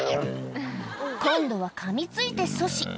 今度はかみついて阻止。